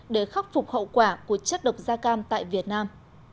để khắc phục hậu quả của chất độc da cam tại việt nam